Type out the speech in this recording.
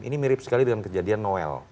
ini mirip sekali dengan kejadian noel